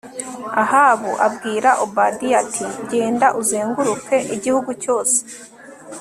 ahabu abwira obadiya ati genda uzenguruke igihugu cyose